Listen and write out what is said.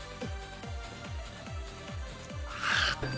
ああ。